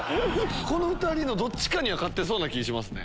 この２人のどっちかには勝ってそうな気ぃしますね。